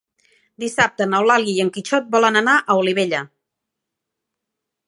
Dissabte n'Eulàlia i en Quixot volen anar a Olivella.